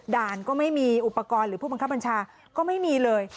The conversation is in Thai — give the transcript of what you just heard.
ด่านก็ไม่มีอุปกรณ์หรือผู้บังคับบัญชาก็ไม่มีเลย